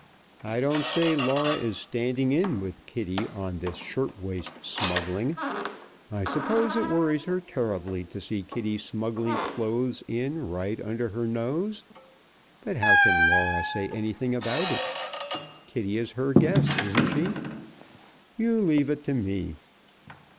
I don't say Laura is standing in with Kitty on this shirt waist smuggling. I suppose it worries her terribly to see Kitty smuggling clothes in right under her nose, but how can Laura say anything about it? Kitty is her guest, isn't she? You leave it to me!"